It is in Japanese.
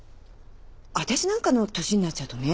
私なんかの年になっちゃうとね